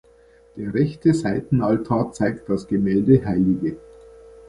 Der rechte Seitenaltar zeigt das Gemälde hl.